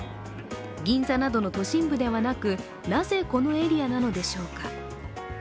銀座などの都心部ではなく、なぜこのエリアなのでしょうか。